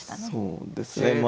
そうですね。